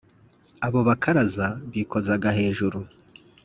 abo bakaraza bikozaga hejuru.